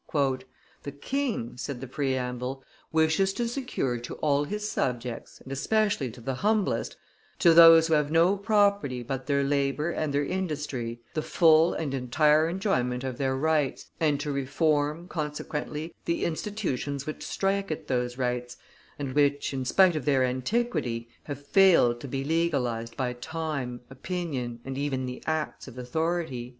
"The king," said the preamble, "wishes to secure to all his subjects, and especially to the humblest, to those who have no property but their labor and their industry, the full and entire enjoyment of their rights, and to reform, consequently, the institutions which strike at those rights, and which, in spite of their antiquity, have failed to be legalized by time, opinion, and even the acts of authority."